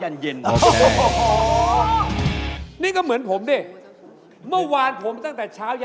เรื่องเซ็กเนี่ยพิธีออกแล้วค่ะ